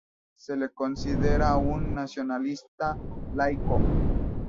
Se le considera un nacionalista laico.